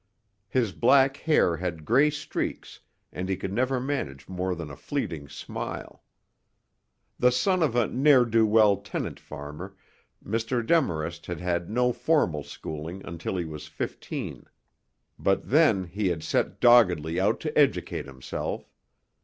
His black hair had gray streaks and he could never manage more than a fleeting smile. The son of a ne'er do well tenant farmer, Mr. Demarest had had no formal schooling until he was fifteen. But then he had set doggedly out to educate himself.